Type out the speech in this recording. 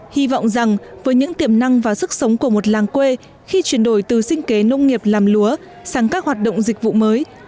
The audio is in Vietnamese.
hy vọng rằng với những tiềm năng và sức sống của một làng quê khi chuyển đổi từ sinh kế nông nghiệp làm lúa sang các hoạt động dịch vụ mới